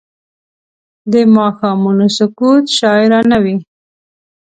د ماښامونو سکوت شاعرانه وي